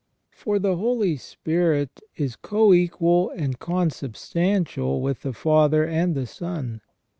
For the Holy Spirit is co equal and consubstantial with the Father and the Son.